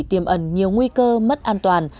tiêm ẩn nhiều nguy cơ mất an toàn